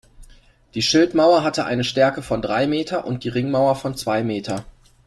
Die Schildmauer hatte eine Stärke von drei Meter und die Ringmauer von zwei Meter.